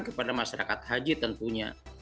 kepada masyarakat haji tentunya